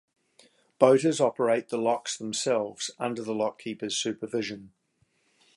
Boaters operate the locks themselves under the lock keeper's supervision.